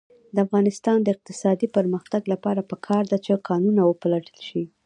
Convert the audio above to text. د افغانستان د اقتصادي پرمختګ لپاره پکار ده چې کانونه وپلټل شي.